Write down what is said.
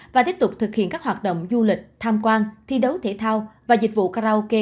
và tiếp tục thực hiện các hoạt động du lịch tham quan thi đấu thể thao và dịch vụ karaoke